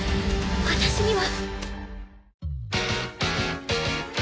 私には